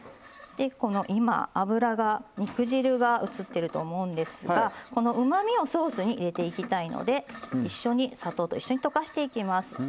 でこの今脂が肉汁が映ってると思うんですがこのうまみをソースに入れていきたいので砂糖と一緒に溶かしていきます。